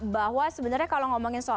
bahwa sebenarnya kalau ngomongin soal